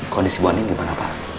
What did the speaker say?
kondisi bu ani gimana pak